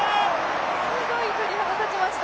すごい、鳥肌立ちました。